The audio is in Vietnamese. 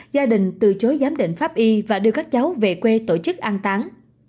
gia đình từ chối giám định pháp y và đưa các cháu về quê tổ chức an tán